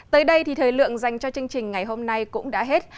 tới đây thì thời lượng dành cho chương trình ngày hôm nay cũng đã hết